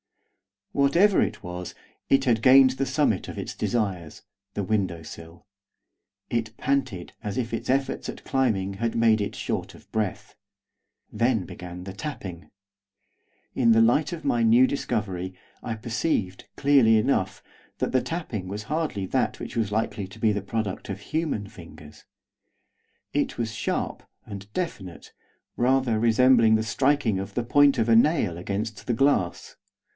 Whatever it was, it had gained the summit of its desires, the window sill. It panted as if its efforts at climbing had made it short of breath. Then began the tapping. In the light of my new discovery, I perceived, clearly enough, that the tapping was hardly that which was likely to be the product of human fingers, it was sharp and definite, rather resembling the striking of the point of a nail against the glass.